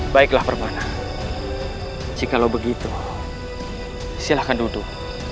baiklah permana jika lo begitu silahkan duduk